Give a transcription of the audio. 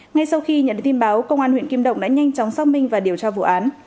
ngay sau khi nhận được tin báo công an huyện kim động đã nhanh chóng xác minh và điều tra vụ án